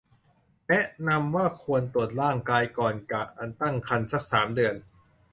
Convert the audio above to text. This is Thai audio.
แนะนำว่าควรตรวจร่างกายก่อนการตั้งครรภ์สัก สาม เดือน